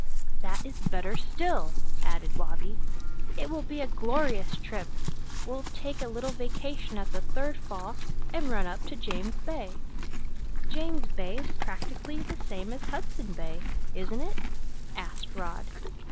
"That is better still," added Wabi. "It will be a glorious trip! We'll take a little vacation at the third fall and run up to James Bay." "James Bay is practically the same as Hudson Bay, isn't it?" asked Rod.